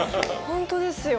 本当ですよ。